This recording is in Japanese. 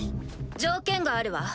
条件があるわ。